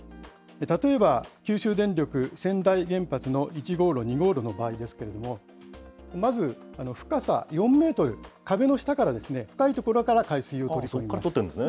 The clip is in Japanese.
例えば、九州電力川内原発の１号炉、２号炉の場合ですけれども、まず深さ４メートル、壁の下から、深い所から海水を取り込んでいます。